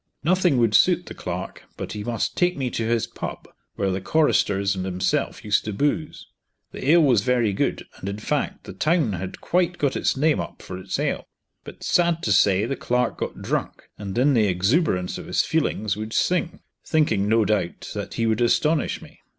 Nothing would suit the clerk, but he must take me to his "pub," where the choristers and himself used to booze. The ale was very good, and in fact the town had quite got its name up for its ale. But sad to say the clerk got drunk, and in the exuberance of his feelings would sing, thinking no doubt that he would astonish me.